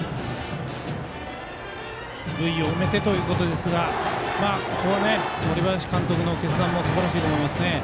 塁を埋めてということですがここの森林監督の決断もすばらしいと思います。